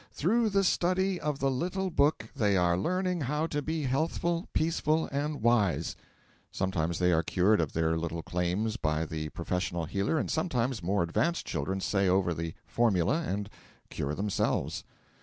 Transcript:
'Through the study of the "little book" they are learning how to be healthful, peaceful, and wise.' Sometimes they are cured of their little claims by the professional healer, and sometimes more advanced children say over the formula and cure themselves.